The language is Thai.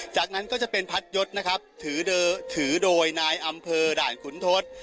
จากนั้นก็จะเป็นพัดยศนะครับถือโดยนายอำเภอด่านขุนทศ